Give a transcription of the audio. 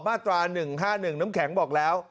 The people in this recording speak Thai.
มาตรา๑๕๑น้ำแข็งบอกแล้ว